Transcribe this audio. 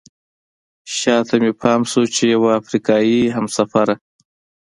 شاته مې پام شو چې یوه افریقایي همسفره.